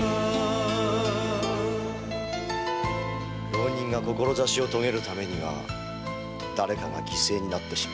浪人が志を遂げるためには誰かが犠牲になってしまう。